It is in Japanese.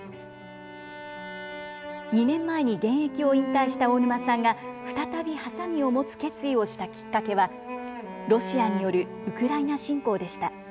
２年前に現役を引退した大沼さんが再びはさみを持つ決意をしたきっかけはロシアによるウクライナ侵攻でした。